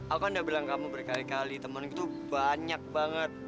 aku kan udah bilang kamu berkali kali temen gitu banyak banget